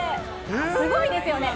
すごいですよね。